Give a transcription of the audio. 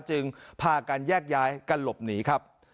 จึงพากันแยกย้ายกันหลบหนีครับ